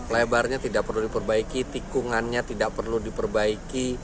lebarnya tidak perlu diperbaiki tikungannya tidak perlu diperbaiki